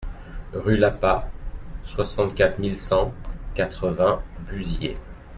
Rue Lapas, soixante-quatre mille six cent quatre-vingts Buziet